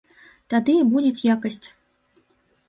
Тады і будзе якасць!